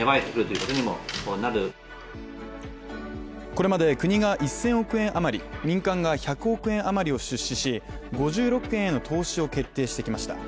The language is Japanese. これまで国が１０００億円余り、民間が１００億円余りを出資し５６件への投資を決定してきました。